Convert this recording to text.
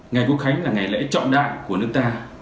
ngày quốc khánh là ngày lễ trọng đại của nước ta